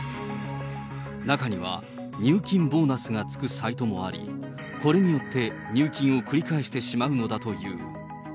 中には、入金ボーナスがつくサイトもあり、これによって入金を繰り返してしまうのだという。